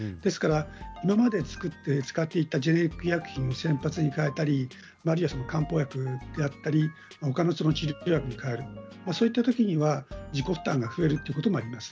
今まで使っていたジェネリック医薬品を先発品に変えたり漢方薬であったり他の治療薬に変えるそういった時には自己負担が増えることもあります。